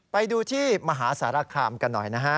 ไปดูที่มหาสารคามกันหน่อยนะฮะ